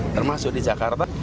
termasuk di jakarta